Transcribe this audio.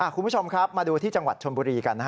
คุณผู้ชมครับมาดูที่จังหวัดชนบุรีกัน